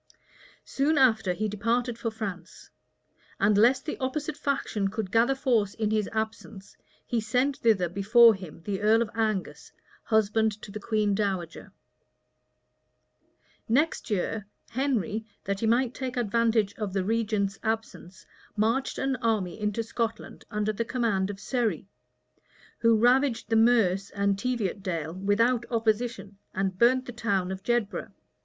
Soon after he departed for France; and lest the opposite faction should gather force in his absence, he sent thither before him the earl of Angus, husband to the queen dowager. {1523.} Next year, Henry, that he might take advantage of the regent's absence, marched an army into Scotland under the command of Surrey, who ravaged the Merse and Teviotdale without opposition, and burned the town of Jedburgh.